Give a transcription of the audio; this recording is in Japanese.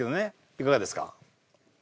いかがですか？